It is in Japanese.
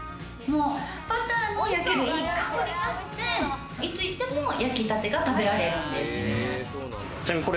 バターの焼けるいい香りがして、いつ行っても、焼きたてが食べられるんです。